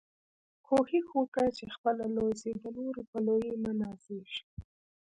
کوښښ وکه، چي خپله لوى سې، د نورو په لويي مه نازېږه!